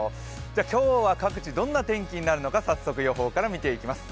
今日は各地、どんな天気になるのか早速予報から見ていきます。